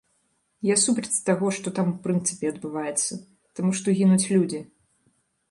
Я супраць таго, што там у прынцыпе адбываецца, таму што гінуць людзі.